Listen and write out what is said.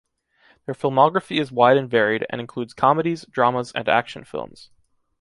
Their filmography is wide and varied, and includes comedies, dramas and action films.